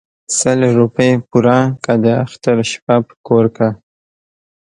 ـ سل روپۍ پوره كه داختر شپه په كور كه.